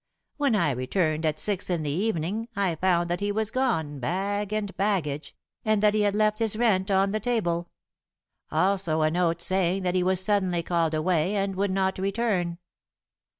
When I returned at six in the evening I found that he was gone bag and baggage, and that he had left his rent on the table. Also a note saying that he was suddenly called away and would not return."